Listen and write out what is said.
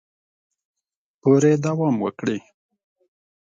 پورې دوام وکړي